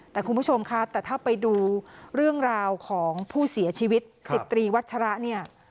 แต่คุณผู้ชมคะแต่ถ้าไปดูเรื่องราวของผู้เสียชีวิต๑๐ตรีวัชระเนี่ย